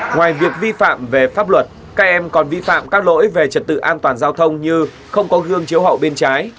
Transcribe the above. ngoài việc vi phạm về pháp luật các em còn vi phạm các lỗi về trật tự an toàn giao thông như không có gương chiếu hậu bên trái